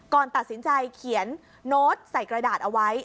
ก่อนตัดสินใจเขียนโน้ตใส่กระดาษเอาไว้